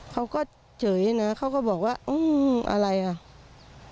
เขาก็เฉยนะเขาก็บอกว่าอืมอะไรอ่ะ